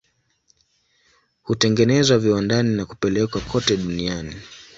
Hutengenezwa viwandani na kupelekwa kote duniani.